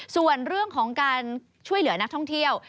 ส่วนเรื่องของการช่วยเหลือนักท่องเที่ยว